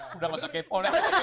sudah masuk kepo